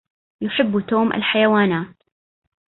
يحب توم الحيوانات